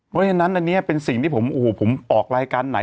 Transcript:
เพราะฉะนั้นอันนี้เป็นสิ่งที่ผมโอ้โหผมออกรายการไหน